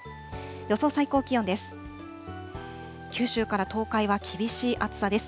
予想最高気温です。